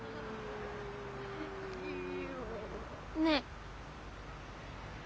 ねえ。